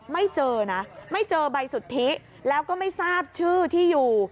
ไม่เจอนะไม่เจอใบสุทธิแล้วก็ไม่ทราบชื่อที่อยู่